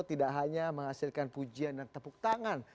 tidak hanya menghasilkan pujian dan tepuk tangan